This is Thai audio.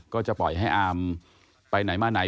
ก็จะปล่อยให้อามไปไหนมาไหน